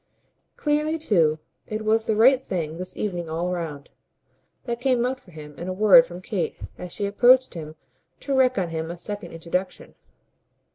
Clearly too it was the right thing this evening all round: that came out for him in a word from Kate as she approached him to wreak on him a second introduction.